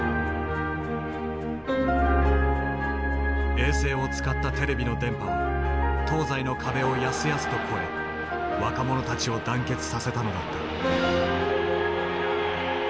衛星を使ったテレビの電波は東西の壁をやすやすと越え若者たちを団結させたのだった。